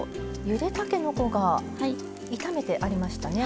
ゆでたけのこが炒めてありましたね。